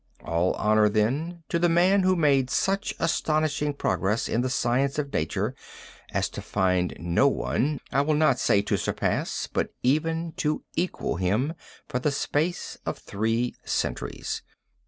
All honor, then, to the man who made such astonishing progress in the science of nature as to find no one, I will not say to surpass, but even to equal him for the space of three centuries."